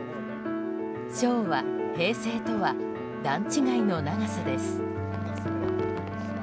昭和、平成とは段違いの長さです。